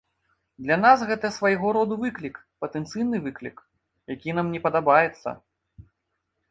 Для нас гэта свайго роду выклік, патэнцыйны выклік, які нам не падабаецца.